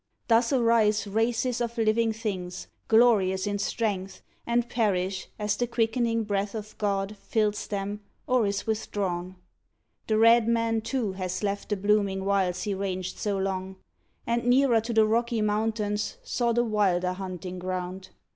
Thus arise Races of living things, glorious in strength, And perish, as the quickening breath of God Fills them, or is withdrawn. The red man, too, Has left the blooming wilds he ranged so long, And, nearer to the Rocky Mountains, sought A wilder hunting ground.